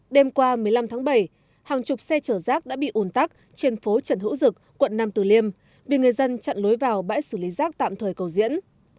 đêm qua một mươi năm tháng bảy hàng chục xe chở rác đã bị ủn tắc trên phố trần hữu dực quận năm tử liêm vì người dân chặn lối vào bãi xử lý rác tạm thời cầu diễn